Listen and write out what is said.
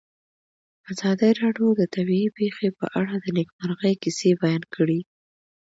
ازادي راډیو د طبیعي پېښې په اړه د نېکمرغۍ کیسې بیان کړې.